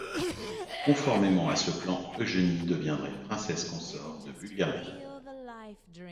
Conformément à ce plan, Eugénie deviendrait princesse consort de Bulgarie.